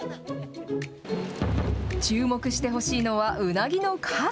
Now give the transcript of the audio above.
注目してほしいのはウナギの数。